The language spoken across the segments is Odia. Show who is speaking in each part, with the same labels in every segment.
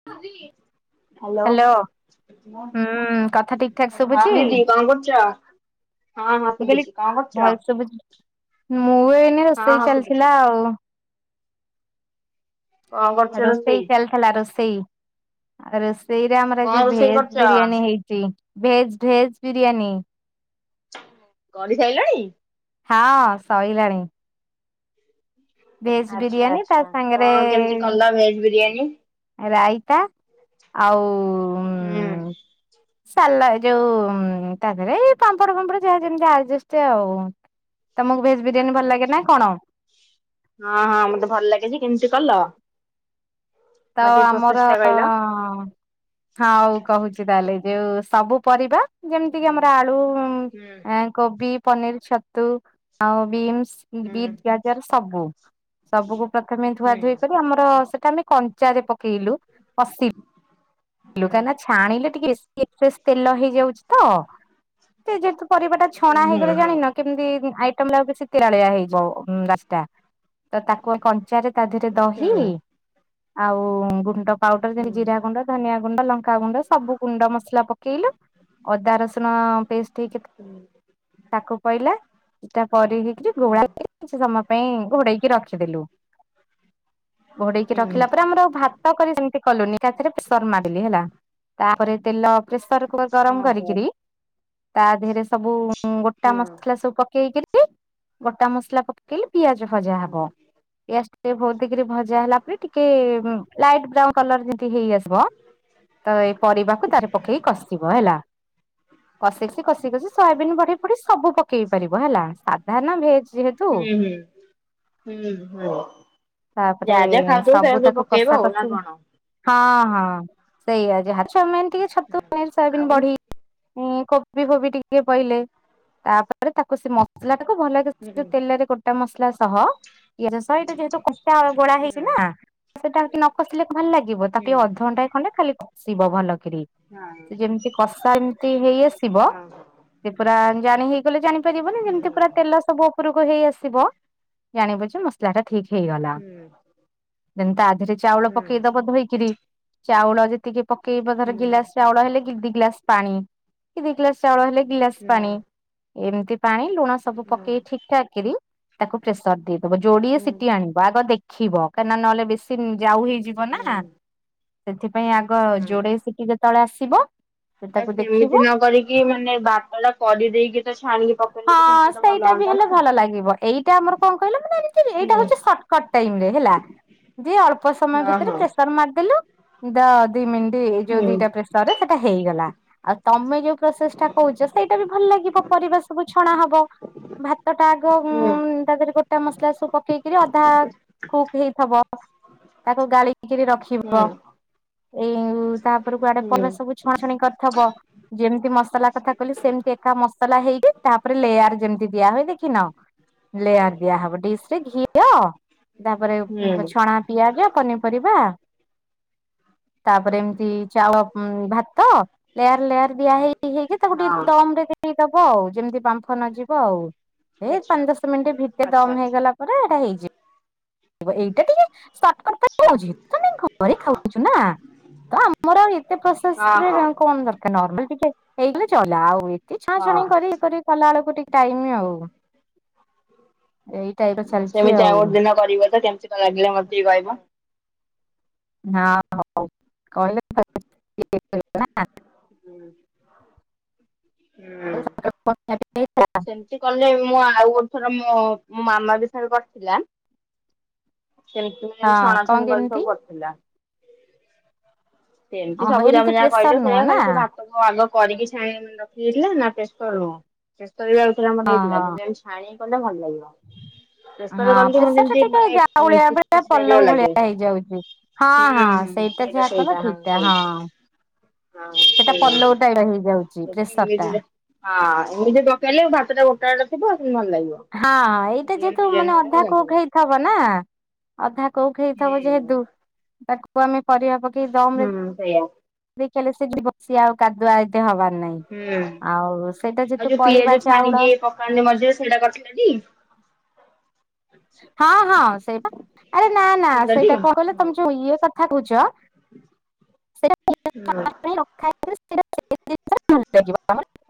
Speaker 1: [unintelligible] ହ୍ୟାଲୋ
Speaker 2: ହୁଁ କଥା ଠିକ ଠାକ ଶୁଭୁଛି
Speaker 1: ହଁ ଦିଦି କଣ କରୁଛ? ହଁ ହଁ
Speaker 2: ମୁଁ କହିଲି
Speaker 1: ଶୁଭୁଛି କଣ କରୁଛ
Speaker 2: ଭଲ ଶୁଭୁଛି ମୁଁ ଏଇନେ
Speaker 1: ହଁ
Speaker 2: ରୋଷେଇ
Speaker 1: ହଁ
Speaker 2: ଚାଲିଥିଲା
Speaker 1: ଶୁଭୁଛି।
Speaker 2: ଆଉ
Speaker 1: କଣ କରୁଛ
Speaker 2: ରୋଷେଇ ଚାଲିଥିଲା ରୋଷେଇ ଆଉ ରୋଷେଇରେ ଆମର
Speaker 1: କଣ
Speaker 2: ଯି
Speaker 1: ରୋଷେଇ କରୁଛ?
Speaker 2: ଭେଜ ବିରିୟାନୀ ହେଇ ଚି ଭେଜ ଭେଜ ବିରିୟାନୀ।
Speaker 1: କରିସାରିଲାଣି।
Speaker 2: ହଁ ସଇଲାଣି। ଭେଜ
Speaker 1: ଆଚ୍ଛା
Speaker 2: ବିରିୟାନୀ ତା
Speaker 1: ଆଚ୍ଛା
Speaker 2: ସାଙ୍ଗରେ
Speaker 1: କଣ କେମିତି କଲ ଭେଜ ବିରିୟାନୀ?
Speaker 2: ରାଇତା ଆଉ
Speaker 1: ହୁଁ।
Speaker 2: ସା ଲଏ ଯୋଉ ତା ଦେରେ ପାମ୍ପଡ ଫମ୍ପଡ ଯାହା ଯେମିତି ଆଜେଷ୍ଟ ଆଉ। ତମକୁ ବ
Speaker 1: ଆଚ୍ଛା ଆଛା ହଁ ହଁ ମତେ ଭଲ ଲାଗିଛି କେମିତି କଲ?
Speaker 2: ତ
Speaker 1: ମତେ ଟିକେ ପ୍ରୋସେସ
Speaker 2: ଆମର
Speaker 1: ଟା କହିଲ?
Speaker 2: ହଁ ହଉ କହୁଛି ତାହେଲେ ଯୋଉ ସବୁ ପରିବା ଯେମିତି କିି
Speaker 1: ହୁଁ
Speaker 2: ଆମର ଆଳୁ,
Speaker 1: ହୁଁ
Speaker 2: କୋବି, ପନିର, ଛତୁ ଆଉ ବିନ୍ସ
Speaker 1: ହୁଁ
Speaker 2: ବିଟ, ଗାଜର ସବୁ ସବୁକୁ ପ୍ରଥମେ ଧୁଆ
Speaker 1: ହୁଁ
Speaker 2: ଧୁଇ
Speaker 1: ହୁଁ
Speaker 2: କରି ଆମର ସେଟା ଆମେ କ ଚାରେ ପକେଇଲୁ ପଶି
Speaker 1: ହୁଁ ହୁଁ
Speaker 2: ଲୁ କାନା ଛାଣିଲେ ଟିକେ [unintelligible] ତେଲ ହେଇଯାଉଛି ତ। ସେ ଯେହେତୁ ପରିବା ଟା ଛଣା
Speaker 1: ହୁଁ
Speaker 2: ହେଇଗଲେ ଜାଣିନ କେମିତି ଆଇଟମ ଲାଗ କି ସେ ତିରାଳିଆ ହେଇଯିବ। ହୁଁ ଦଶଟା ତ ତାକୁ କଞ୍ଚାରେ ତା ଦେହରେ ଦହି ଆଉ ଗୁଣ୍ଡ ପାଉଡର
Speaker 1: ହୁଁ
Speaker 2: ଯେମିତି ଜିରା ଗୁଣ୍ଡ ଧନିଆ ଗୁଣ୍ଡ, ଲଙ୍କାଗୁଣ୍ଡ ସବୁ ଗୁଣ୍ଡ ମସଲା ପକେଇଲୁ। ଅଦା ରସୁଣ ପେଷ୍ଟ ହେଇ
Speaker 1: ହୁଁ
Speaker 2: ତାକୁ ପଇଲା। ସେଟା ପରେ ହେଇକି ଘୋଡା ହେଇକି କିଛି ସମୟ ପାଇଁ ଘୋଡେଇକି ରଖିଦେଲୁ। ଘୋଡେଇକି ରଖିଲା
Speaker 1: ହୁଁ
Speaker 2: ପରେ ଆମର ଭାତ କରି ସେମିତି କଲୁନି ଏକାଥେରେ ପ୍ରେସର୍ ମାରିଲି ହେଲା। ତାପରେ ତେଲ ପ୍ରେସର କୁ ଗରମ
Speaker 1: ଓହୋ
Speaker 2: କରିକିରି ତା ଦେହରେ ସବୁ ଗୋଟା
Speaker 1: ହୁଁ ହୁଁ
Speaker 2: ମସଲା ସବୁ ପକେଇକିରି ଗୋଟା ମସଲା ପକେଇଲେ ପିଆଜ ଭଜା ହବ। ପିଆଜ ଟିକେ ବହୁତକିରି ଭଜା ହେଲା ପରେ ଟିକେ ଲାଇଟ୍ ବ୍ରାଉନ କଲର ଯେମିତି ହେଇ ଆସ ତ ଏଇ ପରିବାକୁ ତାର ପକେଇକି କଷିବ ହେଲା। କଷି କଷି କଷି କଷି ସୟାବିନ୍ ବଢି ଫଡି ସବୁ ପକେଇ ପାରିବ ହେଲା ସାଧା ନା ଭେଜ ଜେହେ
Speaker 1: ହୁଁ ହଁ ହୁଁ ହୁଁ।
Speaker 2: ତାପରେ
Speaker 1: ଯାହା ଯା ଖାଉଛୁ ସେୟା ସବୁ
Speaker 2: ତାକୁ କଷା
Speaker 1: ପକେଇବ ନା
Speaker 2: କଷି
Speaker 1: କଣ?
Speaker 2: ହଁ ହଁ ସେଇଆ ଯାହା ଛୁଆମେନ୍ ଟିକେ ଛତୁ ସୋୟାବିନ
Speaker 1: ଆଉ
Speaker 2: ବଢ଼ି କୋବି ଫୋବି ଟିକେ ପଇଲେ ତାପରେ ତାକୁ ସେ ମସଲା ଟାକୁ ଭଲ
Speaker 1: ନା
Speaker 2: ତେଲରେ ଗୋଟା ମସଲା ସହ ଇଏ ଯେହେତୁ ବଳା ହେଇଛି ସେଟା ହଉଛି ନ କସିଲେ ଭଲ ଲାଗିବ ତାକୁ ଟିକେ ଅଧ ଘଣ୍ଟାଏ ଖଣ୍ଡେ ଖାଲି କଷିବ ଭଲକରି ସେ ଯେମିତି କଷା ଏମିତି ହେଇ ଆସିବ ସେ ପୁରା ଜାଣି ହେଇଗଲେ ଜାଣିପାରିବନି। ଯେମିତି ପୁରା ତେଲ ସବୁ ଉପରକୁ ହେଇ ଆସିବ ଜାଣିବ ଯେ ମସଲା ଟା ଠିକ ହେଇଗଲା। ଯେମତି ତା ଦେହରେ ଚାଉଳ ପକେଇଦବ ଧୋଇକିରି ଚାଉଳ ଯେତିକି ପକେଇବ ଧର ଗିଲାସ ଚାଉଳ ହେଲେ କି ଦି ଗିଲାସ ପାଣି କି ଦି ଗିଲାସ ଚାଉଳ ହେଲେ ଗିଲାସ ପାଣି। ଏମିତି ପାଣି ଲୁଣ ସବୁ ପକେଇ ଠିକ ଠାକ୍ କରି ତାକୁ ପ୍ରେସର ଦେଇ ବ ଯୋଡିଏ ସିଟିି ଆଣିବ ଆଗ ଦେଖିବ କାହିଁକି ନା ନହେଲେ ବେଶୀନ୍ ଯାଉ ହେଇଯି ନା ସେଥିପାଇଁ ଆଗ ଯୋଡେଇ ସିଟି ଯେତେବେଳେ ଆସିବ ସେ
Speaker 1: ବା
Speaker 2: ତାକୁ ଦେଖିବ
Speaker 1: ସେମିତି ନ କରିକି ମାନେ ଭାତ ଟା କରିଦେଇକି ତ ଛାଣିକି ପ
Speaker 2: ହଁ ସେଇଟା ବି ହେଲେ ଭଲ ଲାଗିବ। ଏଇଟା ଆମର କଣ କହିଲ, ମାନେ ଏମତି
Speaker 1: ହୁଁ
Speaker 2: ଏଇଟା ହଉଛି ସଟ୍ କଟ ଟାଇମ୍ରେ ହେଲା ଦି ଅଳ୍ପ ସମୟ
Speaker 1: ହଁ
Speaker 2: ଭିତରେ
Speaker 1: ହଁ
Speaker 2: ପ୍ରେସର ମାରିଦେଲୁ ଦ ଦି ମିନିଟ ଏଇ ଯୋଉ
Speaker 1: ହୁଁ
Speaker 2: ଦିଟା ପ୍ରେସରରେ ସେଇଟା ହେଇଗଲା। ଆଉ ତମେ ଯୋଉ ପ୍ରୋସେସ ଟା କହୁଛ ସେଇଟା ବି ଭଲ ଲାଗିବ ପରିବା ସବୁ ଛଣା ହବ ଭାତ ଟା ଆଗ ଉ
Speaker 1: ହୁଁ
Speaker 2: ତାଦେରେ ଗୋଟା ମସଲା ସବୁ ପକେଇକି ଅଧା କୁକ୍ ହେଇଥିବ ତାକୁ ଗା ଳି କିରୀ ରଖିବ।
Speaker 1: ହୁଁ
Speaker 2: ଏଇ ତାପର କୁଆଡେ
Speaker 1: ହୁଁ
Speaker 2: ପାରିବା ସବୁ ଛଣାଛଣି କରିଥବ ଯେମିତି ମସଲା କଥା କହିଲି ସେମତି ଏକା ମସଲା ହେଇକି ତାପରେ ଲେୟାର ଯେମିତି ଦିଆ ହୁଏ ଦେଖିିନ। ଲେୟାର ଦିଆହବ। ଡିସ୍ ରେ ଘିଅ ତାପରେ
Speaker 1: ହୁଁ
Speaker 2: ଛଣା ପିଆଜ ପନିପରିବା ତାପରେ ଏମିତି ଚାଉଳ ଭାତ, ଲେୟାର ଲେୟାର ଦିଆ ହେଇ ହେଇକି ତାକୁ
Speaker 1: ହଁ
Speaker 2: ଟିକେ ଦମ୍ ରେ ଦେଇଦବ ଆଉ। ଯେମିତି ବାମ୍ଫ ନଯିବ, ଆଉ ଏ
Speaker 1: ଆଚ୍ଛା
Speaker 2: ପାଞ୍ଚ ଦଶ ମିନିଟ ଭିତରେ
Speaker 1: ଆଚ୍ଛା
Speaker 2: ଦମ୍ ହେଇଗଲା ପରେ ଏଇଟା ହେଇଯିବ। ଏଇଟା ଟିକେ ଶର୍ଟ କଟ
Speaker 1: ଆଚ୍ଛା ଆଚ୍ଛା
Speaker 2: ତମ ଘରେ ଖାଉଛୁ ନା। ତ ଆମର ଆଉ ଏତେ
Speaker 1: ହଁ
Speaker 2: ପ୍ରୋସେସ ରେ
Speaker 1: ହଁ
Speaker 2: କଣ ଦରକାର ନର୍ମାଲ ଟିକେ ହେଇଗଲେ ଚଲା ଆଉ। ଟିକେ ଛଣା
Speaker 1: ହଁ।
Speaker 2: ଛଣି କରି ଇଏ କରି କଲା ବେଳକୁ ଟିକେ ଟାଇମ୍ ଆଉ। ଏଇଟା ଏବେ ଚାଲିଛି
Speaker 1: ସେମିତି
Speaker 2: ଆଉ।
Speaker 1: ଗୋଟେ ଦିନ କରିବ ତ କେମିତି କଣ ଲାଗିଲା ମତେ କହିବ।
Speaker 2: ହଁ ହଉ କହିଲେ [unintelligible] [unintelligible]
Speaker 1: ସେ କଲେ ମୁଁ ଆଉ ଗୋଟେ ଥର ମୋ ମାମା ବି ଥରେ କରିଥିଲା ସେମତି
Speaker 2: ହଁ
Speaker 1: ଛଣା
Speaker 2: କଣ
Speaker 1: ଛଣି କରି
Speaker 2: କେମିତି
Speaker 1: ସବୁ କରିଥିଲା। ସେମିତି
Speaker 2: ଓହୋ
Speaker 1: ସବୁ
Speaker 2: ଏମିତି
Speaker 1: ତମେ ଯାହା
Speaker 2: ପ୍ରେସର
Speaker 1: କହିଲ
Speaker 2: ନୁହଁ
Speaker 1: ସେଇଆ
Speaker 2: ନା
Speaker 1: ଖାଲି ତାକୁ ଆଗ କରିକି ଛାଣିକି ରଖି ଦେଇଥିଲା ନା ପ୍ରେସର ରୁ
Speaker 2: ହଁ
Speaker 1: ଛାଣି କି
Speaker 2: ହଁ
Speaker 1: କଲେ ଭଲ ଲାଗିବ। ପ୍ରେସର ରେ
Speaker 2: ହଁ
Speaker 1: କଲେ
Speaker 2: ପ୍ରେସର ଟା
Speaker 1: ଯେ-ଯେମତି
Speaker 2: ଟିକେ
Speaker 1: ମାନେ
Speaker 2: ଯାଉଳିଆ
Speaker 1: ଖୁସ୍
Speaker 2: ଭଳିଆ
Speaker 1: ଖୁସ୍
Speaker 2: ପଲଉ ଭଳିଆ
Speaker 1: ଲାଗେ।
Speaker 2: ହେଇଯାଉଛି। ହଁ
Speaker 1: ହୁଁ
Speaker 2: ହଁ
Speaker 1: ହୁଁ
Speaker 2: ସେଇଟା
Speaker 1: ସେଇ ତା
Speaker 2: ଯାହା କଲ
Speaker 1: ସେଇଦା ହଁ
Speaker 2: ଠିକ ଟା
Speaker 1: ସେଇ ହଁ
Speaker 2: ସେଟା
Speaker 1: ସେଇଆ।
Speaker 2: ପଲଉ ଟାଇପ୍ ହେଇଯାଉଛି ପ୍ରେସର ଟା।
Speaker 1: ଇଂଲିଶରେ ହଁ ଏମିତି ପକେଇଲେ ଭାତଟା ଗୋଟାେ ଗୋଟା ଥିବ ସେ ଭଲ ଲାଗିବ।
Speaker 2: ହଁଁ ଏଇଟା
Speaker 1: ରିଅଲ
Speaker 2: ଯେହେତୁ
Speaker 1: ବିରିୟାନୀ
Speaker 2: ମାନେ
Speaker 1: ଭଳିଆ
Speaker 2: ଅଧା
Speaker 1: ହିଁ ଲାଗିବ
Speaker 2: କୁକ୍ ହେଇଥିବ ନା ଅଧା କୁକ୍
Speaker 1: ହୁଁ
Speaker 2: ହେଇଥିବ ଯେହେତୁ, ତାକୁ ଆମେ ପରିବା ପକେଇ ଦମ ରେ
Speaker 1: ହୁଁ ସେୟା।
Speaker 2: ଦେଖିଲେ ସେ ଯଦି ବସି ସେ ଆଉ କାଦୁଆ ଏଇତ ହବାର
Speaker 1: ହୁଁ
Speaker 2: ନାହିଁ। ଆଉ ସେଇଟା ଯେତୁ ପରିବା ଚାଉଳ
Speaker 1: ତମେ ମଝିରେ ସେଇଟା କରିଥିଲେ କି?
Speaker 2: ହଁ ହଁ ସେଇଟା। ଆରେ ନା ନା
Speaker 1: କରିଥିଲଟି
Speaker 2: ସେଇଟା କଣ କହିଲ
Speaker 1: ହୁଁ
Speaker 2: ତମ ଯୋଉ ଇଏ କଥା କଥା କହୁଛ, ସେଟା
Speaker 1: ହୁଁ।
Speaker 2: [unintelligible] ଆମର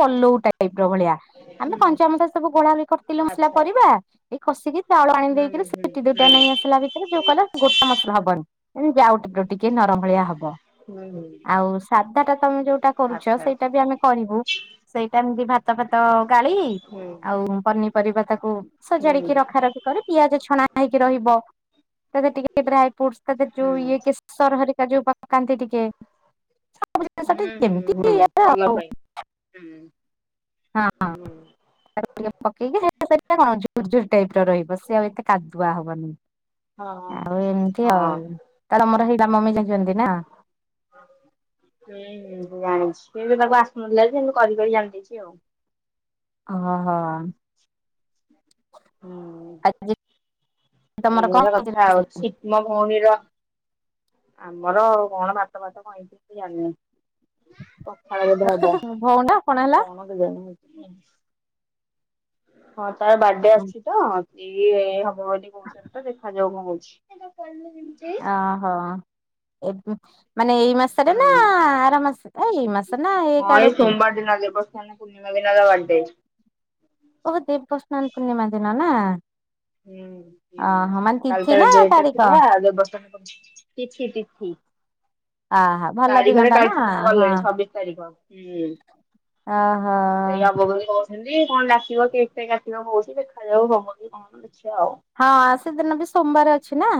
Speaker 2: ପଲଉ ଟାଇପ ର ଭଳିଆ। ଆମେ କଞ୍ଚାମତା ସବୁ ଗୋଳା କରିଥିଲୁ ମସଲା
Speaker 1: ଆଚ୍ଛା ଆଚ୍ଛା।
Speaker 2: ପରିବା ଏଇ କସିକି ଚାଉଳ ଆଣି ଦେଇକି
Speaker 1: ହୁଁ
Speaker 2: ସେ
Speaker 1: ହୁଁ
Speaker 2: ସିଟି ଦିଟା ନେଇ ଆସିଲା ଭିତ ଯୋଉ କଲେ ଗୋଟା ମସଲା ହବନି, ଯାଉ ଟିକେ ନରମ ଭଳିଆ ହବ।
Speaker 1: ହୁଁ ହୁଁ ହୁଁ
Speaker 2: ଆଉ ସାଧା ଟା ତମେ ଯୋଉଟା କରୁଛ,
Speaker 1: ଆଚ୍ଛା
Speaker 2: ସେଇଟା
Speaker 1: ଆଚ୍ଛା
Speaker 2: ବି ଆମେ କରିବୁ। ସେଇଟା ଏମିତି ଭାତ ଫାତ ଗାଳି
Speaker 1: ହୁଁ।
Speaker 2: ଆଉ ପନିପରିବା ତାକୁ
Speaker 1: ହୁଁ ହୁଁ
Speaker 2: ସଜାଡିକି ରଖା ରଖି ପିଆଜ ଛଣା ହେଇକି ରହିବ। ତା ଦେହରେ ଟିକେ ଡ୍ରାଇ ଫୁଟସ ଯୋଉ
Speaker 1: ହୁଁ
Speaker 2: ଇଏ ସର ହରିକା କା ଯୋଉ ପକାନ୍ତି ଟିକେ ସବୁ
Speaker 1: ହୁଁ
Speaker 2: ଜିନିଷଟି ଯେମିତି
Speaker 1: ହୁଁ ହୁଁ,
Speaker 2: ଇଏରେ
Speaker 1: କଲର
Speaker 2: ଆଉ
Speaker 1: ପାଇଁ।
Speaker 2: ହଁ
Speaker 1: ହୁଁ।
Speaker 2: ପକେଇକି ଝୁରଝୁର ଟାଇପ ର ରହିବ ସେ ଆଉ ଏତେ କାଦୁଆ ହବନିଁ।
Speaker 1: ହଁ ହଁ
Speaker 2: ଆଉ ଏମିତି
Speaker 1: ହଁ
Speaker 2: ଆଉ ତାର ମୋର ସେଇଟା ମମି ଜାଣିଛନ୍ତି ନା
Speaker 1: ହୁଁ ହ ଜାଣିଛି କିନ୍ତୁ ତାକୁ ଆସୁନଥିଲା କିନ୍ତୁ କରି କରି ଜାଣିଦେଇଛି ଆଉ।
Speaker 2: ଓହୋ
Speaker 1: ହୁଁ
Speaker 2: ଆଜି ତମର
Speaker 1: ଏଇ
Speaker 2: କଣ
Speaker 1: ଭଳିଆ
Speaker 2: ହେଇଛି
Speaker 1: କଥା ଆଉ
Speaker 2: ରୋଷେଇ?
Speaker 1: ଠିକ୍ ମୋ ଭଉଣୀର। ଆମର କଣ ଭାବ ଫାତ ହେଇଛି ମୁଁ ଜାଣିନି। ଖାଇବା ବୋଧେ
Speaker 2: ଭଉଣୀ ଟା ହେଲା?
Speaker 1: ହବ କ'ଣ କେଜାଣି? ହଁ ତାର ବାର୍ଡେ ଆସିଛି ତ ଏଇ ହବ ବୋଲି କହୁଛନ୍ତି ତ ଦେଖାଯାଉ କ'ଣ ହଉଛି। ସେ କର [unintelligible]
Speaker 2: ଓହୋ ଏବେ ମାନେ ଏଇ ମାସରେ ନା
Speaker 1: ହୁଁ
Speaker 2: ଆର ମାସ ଏଇ ମାସ ନା ଏକ
Speaker 1: ହଁ
Speaker 2: ଆଡକୁ।
Speaker 1: [unintelligible] ପୂର୍ଣ୍ଣିମା ଦିନ ତା ବାଡେ।
Speaker 2: ଓହୋ ଦେବସ୍ନାନ ପୂର୍ଣ୍ଣିମା ଦିନ ନା।
Speaker 1: ହୁଁ ହୁଁ
Speaker 2: ଓହୋ ମାନେ
Speaker 1: କାଲି
Speaker 2: ତିଥି
Speaker 1: ତାର
Speaker 2: ନା
Speaker 1: ଡେଟ
Speaker 2: ତାରିଖ।
Speaker 1: [unintelligible] ତିଥି ତିଥି।
Speaker 2: ଆହା ଭଲ ଦିନ
Speaker 1: ତାରିଖରେ
Speaker 2: ଟା ନା
Speaker 1: କାଲିଠୁ ତାର
Speaker 2: ହଁ
Speaker 1: ଗଲେଣି ଛବିଶ ତାରିଖ।।
Speaker 2: ଓହୋ
Speaker 1: ସେଇ ଅବଗଣି କଣ ଆସିବ କେକଟା କାଟିବ କହୁଛି ଦେଖାଯାଉ କଣ ହେଉଛି କଣ ନାଇଁ ଦେଖିବା ଆଉ।
Speaker 2: ହଁ ସେଦିନ ବି ସୋମବାର ଅଛି ନା।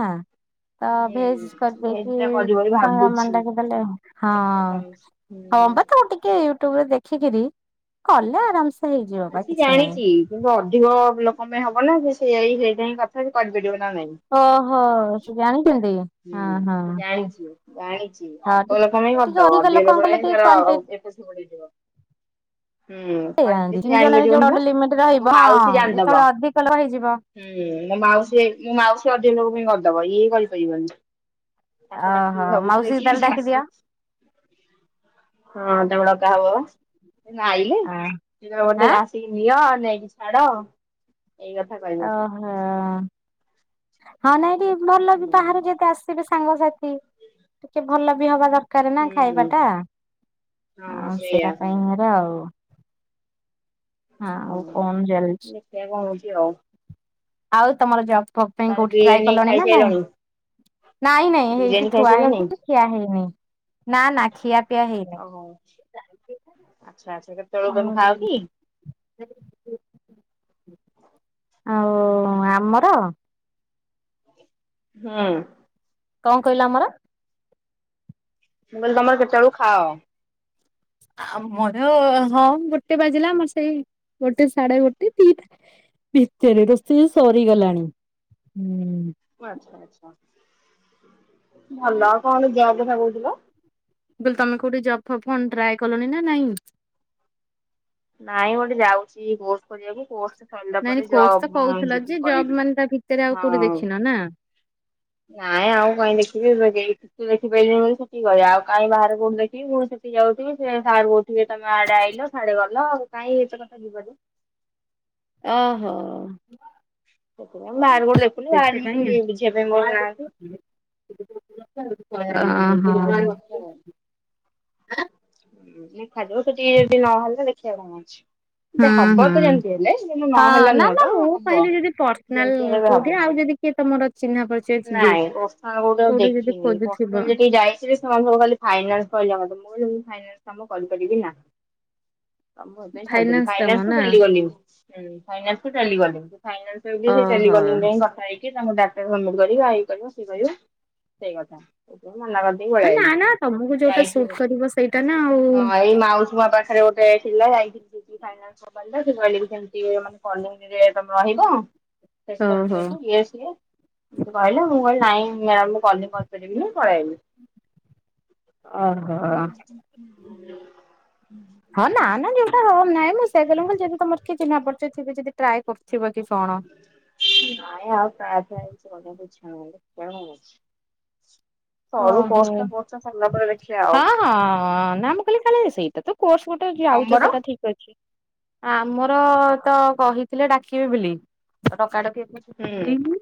Speaker 2: ତ
Speaker 1: ମାନେ
Speaker 2: ଭେଜ
Speaker 1: ଭେଜ୍ ଟା
Speaker 2: କରିଦେଇକି
Speaker 1: କରିବି ବୋଲି
Speaker 2: ସାଙ୍ଗମାନଙ୍କୁ
Speaker 1: ଭାବୁଛୁ
Speaker 2: ଡାକିଦେଲେ। ହଁ
Speaker 1: ଦେଖିବା କଣ
Speaker 2: ହଁ
Speaker 1: ହଉଛି।
Speaker 2: ବା ତମେ ଟିକେ ୟୁଟ୍ୟୁବରେ ଦେଖିକିରି କଲେ ଆରାମସେ। ହେଇଯିବ
Speaker 1: ମୁଁ
Speaker 2: ବା
Speaker 1: ସେ
Speaker 2: କିଛି ନାହିଁ।
Speaker 1: ଜାଣିଛି। କି ଅଧିକ ଲୋକ ପାଇଁ ହବ ନା ଯେ ସେଇ ହେଇଟା ହଁ କଥା ସେ କରିପାରିବ ନା ନାଇଁ।
Speaker 2: ଓହୋ ସେ ଜାଣିଛନ୍ତି
Speaker 1: ହୁଁ
Speaker 2: ହଁ ହଁ।
Speaker 1: ସେ ଜାଣିଛି ଜାଣିଛି
Speaker 2: ହଁ ଟି
Speaker 1: ଅଳ୍ପ ଲୋକ ପାଇଁ
Speaker 2: ଟିକେ
Speaker 1: କରିଦବ ଅଧିକ
Speaker 2: ଲୋକଙ୍କୁ
Speaker 1: ଲୋକ
Speaker 2: କଲେ
Speaker 1: ପାଇଁ
Speaker 2: ଟିକେ
Speaker 1: ତାର
Speaker 2: କ୍ୱାଣ୍ଟି
Speaker 1: [unintelligible] [inaudible] ହୁଁ କ୍ୱାଣ୍ଟୀଟି
Speaker 2: ତିନି
Speaker 1: ଜାଣି
Speaker 2: ଜଣରେ
Speaker 1: ପାରିିବନି
Speaker 2: ଯୋଉଟା
Speaker 1: ବା।
Speaker 2: ଗୋଟେ ଲିମିଟ
Speaker 1: ମୋ
Speaker 2: ରହିବ
Speaker 1: ମାଉସୀ
Speaker 2: ହଁ ଯେତେବେଳେ
Speaker 1: ଜାଣିଦବ।
Speaker 2: ଅଧିକ ଲୋକ ହେଇଯିବ
Speaker 1: ହୁଁ ମୋ ମାଉସୀ ମୋ ମାଉସୀ ଅଧିକ ଲୋକ ପାଇଁ କରିଦବ ଇଏ କରିପାରିବନି। ତାକୁ
Speaker 2: ଓହୋ
Speaker 1: ଡାକିବି
Speaker 2: ମାଉସୀ
Speaker 1: ଭାବୁୁଥିଲି
Speaker 2: କି ତାହେଲେ
Speaker 1: ଯେ
Speaker 2: ଡାକିଦିଅ
Speaker 1: ଆସୁ। ହଁ ତାକୁ ଡକା ହବ ବା। ଏଇନା
Speaker 2: ଆଁ
Speaker 1: ଆଇଲେ
Speaker 2: ଆଁ
Speaker 1: ଆସିକି ନିଅ ନେଇକି ଛାଡ। ଏଇ କଥା କହିବ।
Speaker 2: ଓ ହଁ ନାଇଁଠ ଭଲ ବି
Speaker 1: ହୁଁ
Speaker 2: ବାହାରୁ ଯେତେ ଆସ। ବି ସାଙ୍ଗସାଥି ଟିକେ ଭଲ ବି ହବା ଦରକାର। ଦରକାର ନା
Speaker 1: ହୁଁ
Speaker 2: ଖାଇବାଟା
Speaker 1: ହଁ
Speaker 2: ଆଉ ସେଇଟା
Speaker 1: ସେଇଆ ହୁଁ।
Speaker 2: ପାଇଁର ଆଉ।
Speaker 1: ହଁ
Speaker 2: ଆଉ କଣ ଚାଲିଛି
Speaker 1: ଦେଖିବା କଣ ହଉଛି ଆଉ।
Speaker 2: ଆଉ ତମର ଜବ। ପାଇଁ
Speaker 1: ତାହେଲେ
Speaker 2: କୋଉଠି ଟ୍ରାଏ
Speaker 1: ବିରିୟାନୀ
Speaker 2: କଲଣି ନା ନାଇଁ।
Speaker 1: ଖାଇସାରିଲଣି?
Speaker 2: ନାଇଁ ନାଇଁ
Speaker 1: ବିରିୟାନୀ
Speaker 2: ହେଇଠି ଥୁଆ
Speaker 1: ଖାଇସାରିଲଣି
Speaker 2: ହେଇକି। ଖିଆ ହେଇନି ନା ନା ଖିଆ ପିଆ ହେଇନି।
Speaker 1: ଓହୋ ଆଚ୍ଛା ଆଚ୍ଛା କେତେ?
Speaker 2: [inaudible] ଆଉ ଆମର।
Speaker 1: ହଁ
Speaker 2: କ'ଣ କହିଲା ଆମର?
Speaker 1: ମୁଁ କହିଲି ତମର କେତେବେଳୁ ଖାଅ?
Speaker 2: ଆମର ହଁ ଗୋଟେ ବାଜିଲା ଆମର ସେଇ ଗୋଟେ ସାଢ଼େ ଗୋଟେ ଦିଟା। ଭିତରେ ରୋଷେଇ ସରିଗଲାଣି।
Speaker 1: ଆଚ୍ଛା ଆଚ୍ଛା ଭଲ ଆଉ କଣ ଜବ କଥା କହୁଥିଲ।
Speaker 2: ମୁଁ କହିଲ ତମେ କଉଠି ଜବ୍ ଫୋବ୍ କଣ ଟ୍ରାଏ କଲଣି ନାଁ ନାଇଁ?
Speaker 1: ନାଇଁ ଗୋଟେ ଯାଉଛି କୋର୍ସ କରିବାକୁ କୋର୍ସ ସରିଲା
Speaker 2: ନାଇଁ
Speaker 1: ପରେ
Speaker 2: କୋର୍ସ ତ
Speaker 1: ଜବ୍ ଉଁ
Speaker 2: କହୁଥିଲ
Speaker 1: ଯିବି
Speaker 2: ଯେ ଜବ୍
Speaker 1: କରିବି
Speaker 2: ମାନେ ତା ଭିତରେ ଆଉ କୋଉଠି
Speaker 1: ହଁ।
Speaker 2: ଦେଖିନ ନା?
Speaker 1: ନାଇଁ ଆଉ କାଇଁ ଦେଖିବି ଏବେ କେଉ ଏଠି ଦେଖି ପାରିଲିନି ବୋଲି ସେଠିକି ଗଲି ଆଉ କାଇଁ ବାହରେ କଉଠି ଦେଖିବି ପୁଣି ସେଠି ଯାଉଥିବି ସିଏ ସାରଙ୍କୁ ଟିକେ ତମେ ଆଡେ ଆଇଲ ସାଆଡେ ଗଲ ଆଉ କାଇଁ ଏତେ କଥା ଯିବ ଯେ।
Speaker 2: ଓହୋ
Speaker 1: ମୁଁ ବାହାରେ କୋଉଠି ଦେଖୁନି
Speaker 2: ସେଥିପାଇଁ
Speaker 1: ବାହାରେ ବି କେହି ବୁଝିବା ପାଇଁ ମୋର
Speaker 2: [unintelligible]
Speaker 1: ନାହାନ୍ତି
Speaker 2: ଅ
Speaker 1: ଆଉ ତୁ
Speaker 2: ହଁ।
Speaker 1: ଉଁ ଦେଖା ଯାଉ ସେଠି ଯଦି ନହେଲେ ଦେଖିଆ କଣ ହଉଛି।
Speaker 2: ହଁ
Speaker 1: ହବ
Speaker 2: ହଁ
Speaker 1: ତ ଯେମିତି ହେଲେ ନହେଲା
Speaker 2: ନା
Speaker 1: ନୁହଁ
Speaker 2: ନା
Speaker 1: ତ
Speaker 2: ମୁଁ
Speaker 1: ହବ
Speaker 2: କହିଲି
Speaker 1: ଯେମିତି ହେଲେ ବି ହବ।
Speaker 2: କି ତମର ଚିହ୍ନା ପ
Speaker 1: ନାଇଁ [unintelligible] ଆଉ ଦେଖିନି
Speaker 2: ଖୋଜୁଥିବ
Speaker 1: ପର୍ସନାଲି ଯତି ଯାଇଥିବେ [unintelligible] ଫାଇନାନ୍ସ କାମ କରିପାରିବି ନାହିଁ। କାମ ସେଇଥି ପାଇଁ ଛାଡିଦେଲି
Speaker 2: ଫାଇନାନ୍ସ କାମ
Speaker 1: ଫାଇନାସ କୁ
Speaker 2: ନା
Speaker 1: ଚାଲିଗଲି ହୁଁ ଫାଇନାସ ଚାଲିଗଲି ଯେ ଫାଇନାସ ଏମିତି କି
Speaker 2: ଓହୋ।
Speaker 1: ଟେଲିକଲିଙ୍ଗ ପାଇଁ କଥା ହେଇକି ତାଙ୍କ ଡାଟା ସମିଟ କରି ଇଏ କହିବ ସିଏ କହିବା ସେଇ କଥା ସେଇଥିପାଇଁ ମନା କରିଦେ ଦେଇ ପଳେଇ
Speaker 2: ନା
Speaker 1: ଆଇଲି
Speaker 2: ନା ତମକୁ ଯୋଉଟା
Speaker 1: ଯାଇଚି
Speaker 2: ସୁଟ୍ କରିବ ସେଇଟା ନା ଆଉ
Speaker 1: ହଁ ଏଇ ମାଉସି ମା ପାଖରେ ଗୋଟେ [unintelligible] [unintelligible] ରହିବ।
Speaker 2: ଓହୋ
Speaker 1: [unintelligible] ଇଏ ସିଏ। ମତେ କହିଲା ମୁଁ କହିଲି ନାହିଁ ମ୍ୟାମ୍ ମୁଁ କାଲି କରିପାରିବିନି ପଳେଇ ଅଇଲି।
Speaker 2: ଓହୋ।
Speaker 1: [unintelligible]
Speaker 2: ହଁ ନାଁ ନାଁ ଯିମ ଓମ୍ ନାଇଁ ମୁଁ ସେଇଆ କହିଲି ମୁଁ କହିଲି ଯଦି ତମର କିଏ ଚିହ୍ନା ପରିଚୟ ଥିବେ ଯଦି ଟ୍ରାଏ କରିଥିବ କି କଣ।
Speaker 1: ନାଇଁ ଆଉ ଟ୍ରାଏ ପାଏ କିଛି କରିବାକୁ ଇ [unintelligible] ସରୁ
Speaker 2: ଓହୋ।
Speaker 1: କଷ୍ଟା କଷ୍ଟା ସରିଲା ପରେ ଦେଖିବା ଆଉ
Speaker 2: ହଁ ହଁ ନାଁ ମୁଁ କହିଲି କାଳେ ସେଇଟା ତ କୋର୍ସ ଗୋଟେ ଯାଉଛ
Speaker 1: ତମର
Speaker 2: ସେଟା ଠିକ୍ ଅଛି। ଆମର ତ କହିଥିଲେ ଡାକିବେ ବୋଲି ଡକା ଡ
Speaker 1: ହୁଁ।
Speaker 2: [unintelligible]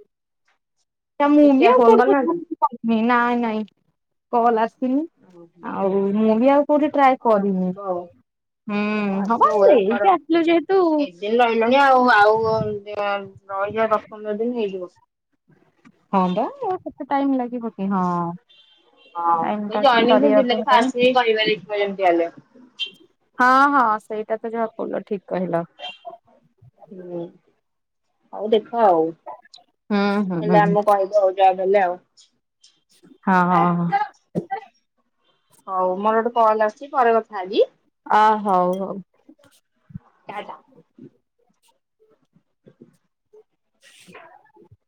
Speaker 2: ତ ମୁଁ
Speaker 1: ଦେଖିଆ
Speaker 2: ବି ଆଉ
Speaker 1: ଫୋନ
Speaker 2: କୁଆଡୁ କିଛି
Speaker 1: କରିନାହାନ୍ତି?
Speaker 2: [unintelligible] ନାଇଁ ନାଇଁ କଲ୍ ଆସିନି। ଆଉ ମୁଁ ବି ଆଉ କୋଉଠି ଟ୍ରାଏ
Speaker 1: ହଉ
Speaker 2: କରିନି।
Speaker 1: ଆସିବ ଆଉ
Speaker 2: ହୁଁ
Speaker 1: ହଉ
Speaker 2: ହମ ଆମେ ଦେଇକି ଆସିଲୁ ଯେହେତୁ
Speaker 1: ଦିନି ରହିଲୁଣି ଆଉ ଆଉ ରହିଯିବା ଦଶ ପନ୍ଦର ଦିନ ହେଇଯିବ।
Speaker 2: ହଁ ବା ଆଉ କେତେ ଟାଇମ୍ ଲାଗିବ କି ହଁ। ଟାଇମ ଟା
Speaker 1: [unintelligible] ଯେମିତି
Speaker 2: ସରିବାକୁ ହେଲାଣି।
Speaker 1: ହେଲେ।
Speaker 2: ହଁ ହଁ ସେଇଟା ତ ଯାହା କିହିଲ ଠିକ୍ କହିଲ।
Speaker 1: ହୁଁ ଆଉ ଦେଖିବା ଆଉ
Speaker 2: ହୁଁ ହୁଁ
Speaker 1: ହେଲେ
Speaker 2: ହୁଁ
Speaker 1: ଆମକୁ କହିବୁ ଆଉ। ଯା ହେଲେ ଆଉ।
Speaker 2: ହଁ ହଁ ହଁ।
Speaker 1: ହଉ ମୋର ଗୋଟେ କଲ୍ ଆସୁଛି ପରେ କଥା ହେବି।
Speaker 2: ଆ ହଉ ହଉ।
Speaker 1: ଟା ଟା।
Speaker 2: [unintelligible]